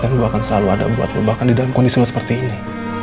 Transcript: dan gue akan selalu ada buat lo bahkan di dalam kondisi lo seperti ini